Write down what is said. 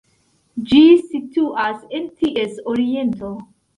Ĝi situas en ties oriento.